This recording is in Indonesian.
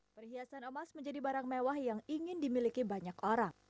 perhiasan emas menjadi barang mewah yang ingin dimiliki banyak orang